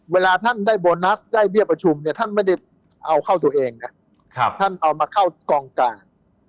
เวลาท่านได้โบนัสได้เบี้ยประชุมเนี่ยท่านไม่ได้เอาเข้าตัวเองนะท่านเอามาเข้ากองกลาง